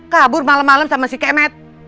kabur malem malem sama si kemet